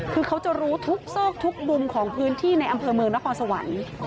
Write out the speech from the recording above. คือเขาจะรู้ทุกซอกทุกมุมของพื้นที่ในอำเภอเมืองนครสวรรค์